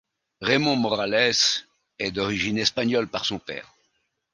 Raymond Moralès est d'origine espagnole par son père.